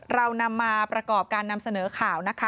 เรานำมาประกอบการนำเสนอข่าวนะคะ